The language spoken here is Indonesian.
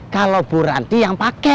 kalau buranti yang pake